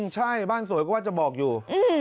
ใช่บ้านสวยก็ว่าจะบอกอยู่